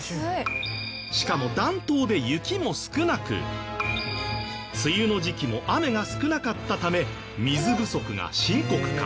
しかも暖冬で雪も少なく梅雨の時期も雨が少なかったため水不足が深刻化。